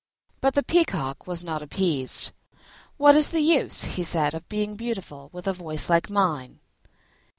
But the Peacock was not appeased. "What is the use," said he, "of being beautiful, with a voice like mine?"